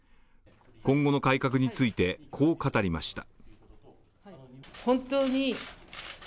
今後の改革についてこう語りました。